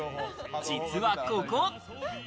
実はここ。